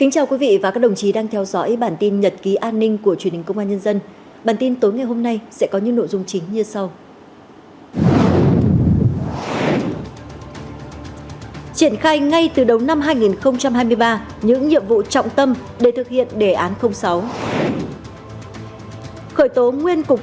các bạn hãy đăng ký kênh để ủng hộ kênh của chúng mình nhé